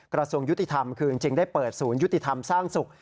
กระทรวงยุติธรรมคือจริงได้เปิดศูนยุติธรรมสร้างสุข